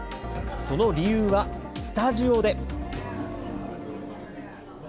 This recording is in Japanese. その理由はスタジオで。